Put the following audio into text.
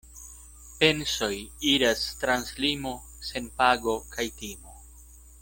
Pensoj iras trans limo sen pago kaj timo.